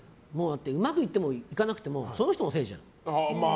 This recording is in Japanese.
うまくいってもいかなくてもその人のせいじゃん。